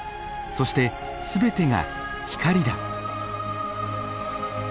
そして全てが光だ」。